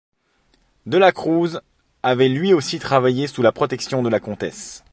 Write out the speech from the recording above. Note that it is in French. De la Cruz avait lui aussi travaillé sous la protection de la comtesse.